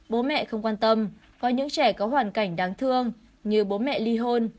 bố mẹ không quan tâm có những trẻ có hoàn cảnh đáng thương như bố mẹ ly hôn